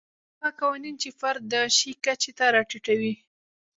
هغه قوانین چې فرد د شي کچې ته راټیټوي.